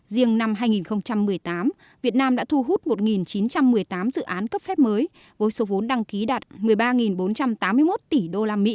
riêng năm hai nghìn một mươi tám việt nam đã thu hút một chín trăm một mươi tám dự án cấp phép mới với số vốn đăng ký đạt một mươi ba bốn trăm tám mươi một tỷ usd